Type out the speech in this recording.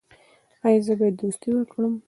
ایا زه باید دوستي وکړم؟